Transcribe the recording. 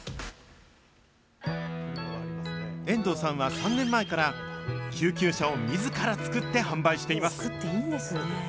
遠藤さんは３年前から、救急車をみずから作って販売しています。